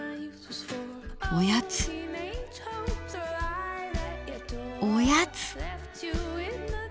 おやつおやつ。